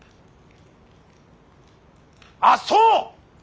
あっそう！